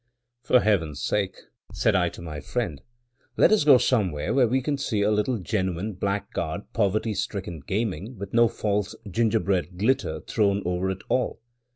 "For Heaven's sake," said I to my friend, "let us go somewhere where we can see a little genuine, blackguard, poverty stricken gaming with no false gingerbread glitter thrown over it all.